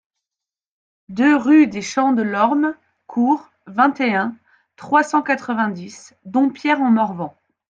deux rue des Champs de Lormes (Cour, vingt et un, trois cent quatre-vingt-dix, Dompierre-en-Morvan